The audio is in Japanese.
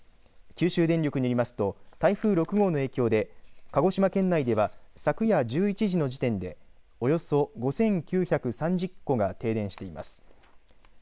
九州電力によりますと台風６号の影響で鹿児島県内では昨夜１１時の時点でおよそ５９３０戸が停電しています。